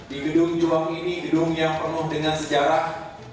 di gedung juang ini gedung yang penuh dengan sejarah